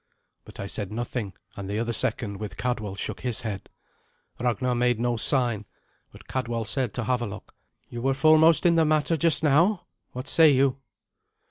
But I said nothing, and the other second, with Cadwal, shook his head. Ragnar made no sign, but Cadwal said to Havelok, "You were foremost in the matter just now. What say you?"